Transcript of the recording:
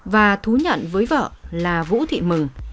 và thú nhận với vợ là vũ thị mừng